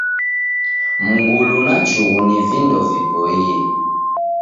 Mngulu na chughu ni vindo viboie.